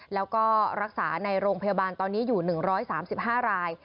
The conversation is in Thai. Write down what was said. แล้วก็รักษาในโรงพยาบาลตอนนี้อยู่๑๓๕ราย